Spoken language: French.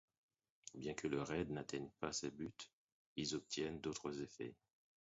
Bien que le raid n'atteigne pas ses buts, il obtient d'autres effets.